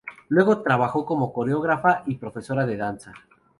Luego trabajó como coreógrafa y profesora de danza.